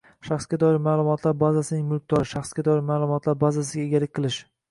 shaxsga doir ma’lumotlar bazasining mulkdori — shaxsga doir ma’lumotlar bazasiga egalik qilish